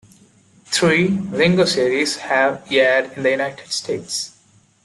Three "Lingo" series have aired in the United States.